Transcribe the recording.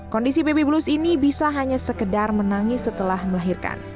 kondisi baby blues ini bisa hanya sekedar menangis setelah melahirkan